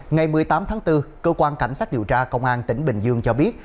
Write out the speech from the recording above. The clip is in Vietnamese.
ngày một mươi tám tháng bốn cơ quan cảnh sát điều tra công an tỉnh bình dương cho biết